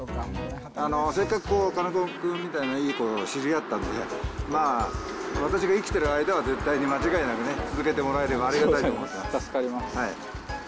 せっかく金子君みたいないい子と知り合ったんで、まあ、私が生きている間は、絶対に間違いなくね、続けてもらえればありがたいと思っています助かります。